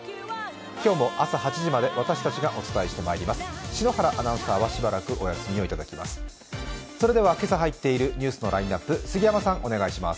今日も朝８時まで私たちがお伝えしてまいります。